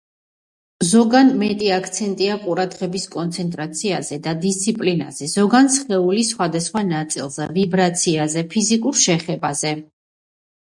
ზოგან მეტი აქცენტია ყურადღების კონცენტრაციაზე და დისციპლინაზე, ზოგან სხეულის სხვადასხვა ნაწილზე, ვიბრაციაზე, ფიზიკურ შეხებაზე.